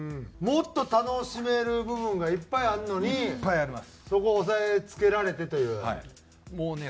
もっと楽しめる部分がいっぱいあるのにそこを抑えつけられてという。